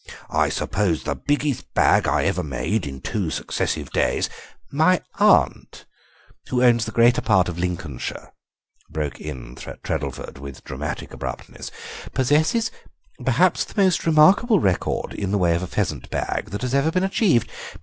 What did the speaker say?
I suppose the biggest bag I ever made in two successive days—" "My aunt, who owns the greater part of Lincolnshire," broke in Treddleford, with dramatic abruptness, "possesses perhaps the most remarkable record in the way of a pheasant bag that has ever been achieved.